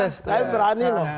saya berani loh